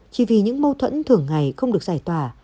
chỉ vì những mâu thuẫn thường ngày không được giải tỏa